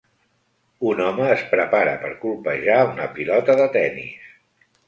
Un home es prepara per colpejar una pilota de tennis.